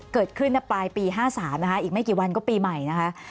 เกิดขึ้นปลายปี๕๓นะคะอีกไม่กี่วันก็ปีใหม่นะคะ